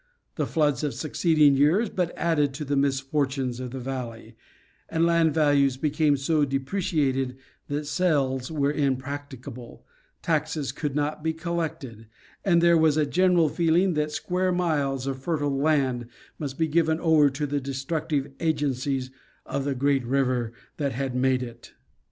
The floods of suc ceeding years but added to the misfortunes of the valley, and land values became so depreciated that sales were impracticable, taxes could not be collected, and there was a general feeling that square miles of fertile land must be given over to the destructive agencies of the great river that had made it.